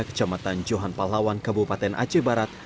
kecamatan johan palawan kabupaten aceh barat